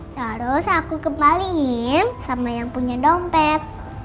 terus aku kembaliin sama yang punya dompet